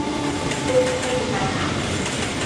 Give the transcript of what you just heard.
It is taken by mouth.